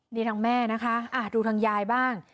นี่ทางแม่นะคะดูทางยายบ้าง